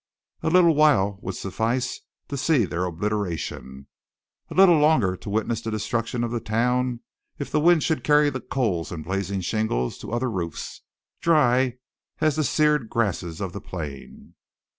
A little while would suffice to see their obliteration, a little longer to witness the destruction of the town if the wind should carry the coals and blazing shingles to other roofs, dry as the sered grasses of the plain.